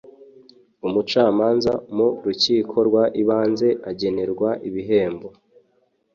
umucamanza mu rukiko rw ibanze agenerwa ibihembo.